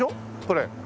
これ。